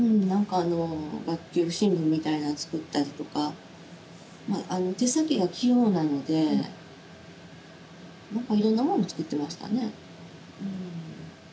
学級新聞みたいなの作ったりとか手先が器用なので色んなもの作ってましたね